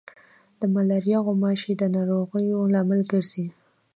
د ملاریا غوماشي د ناروغیو لامل ګرځي.